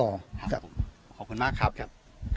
ขอขอบคุณมากครับ